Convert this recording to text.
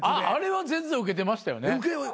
あれは全然ウケてましたよね。